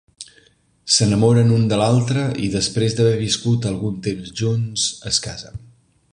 S'enamoren un de l'altre, i, després d'haver viscut algun temps junts, es casen.